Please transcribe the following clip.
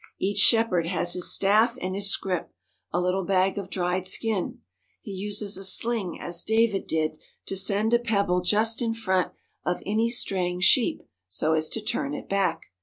Each shepherd has his staff and his scrip, a little bag of dried skin. He uses a sling as David did to send a pebble just in front of any straying sheep so as to turn it back.